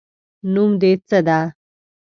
نوم دې څه ده؟